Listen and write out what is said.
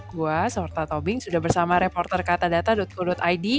gue sohorta tobing sudah bersama reporter katadata co id